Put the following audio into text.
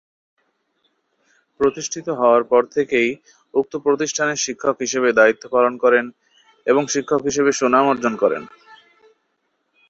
প্রতিষ্ঠিত হওয়ার পর থেকেই উক্ত প্রতিষ্ঠানের শিক্ষক হিসেবে দায়িত্ব পালন করেন এবং শিক্ষক হিসেবে সুনাম অর্জন করেন।